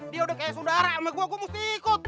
dia udah kayak saudara sama gue gue mesti ikut